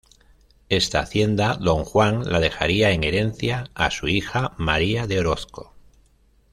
Esta hacienda, Don Juan la dejaría en herencia a su hija María de Orozco.